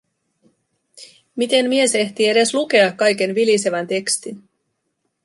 Miten mies ehtii edes lukea kaiken vilisevän tekstin?